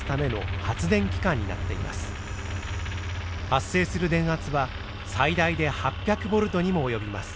発生する電圧は最大で８００ボルトにも及びます。